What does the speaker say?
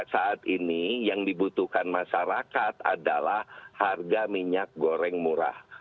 saat ini yang dibutuhkan masyarakat adalah harga minyak goreng murah